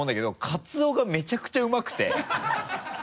カツオがめちゃくちゃうまくて。